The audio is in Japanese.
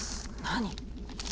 何？